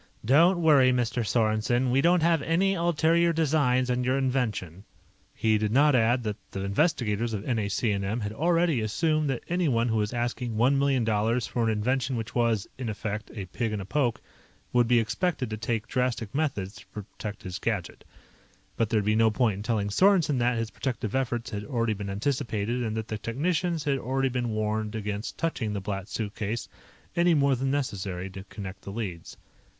"Don't worry, Mr. Sorensen. We don't have any ulterior designs on your invention." He did not add that the investigators of NAC&M had already assumed that anyone who was asking one million dollars for an invention which was, in effect, a pig in a poke, would be expected to take drastic methods to protect his gadget. But there would be no point in telling Sorensen that his protective efforts had already been anticipated and that the technicians had already been warned against touching the Black Suitcase any more than necessary to connect the leads.